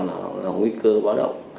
nó nguy cơ báo động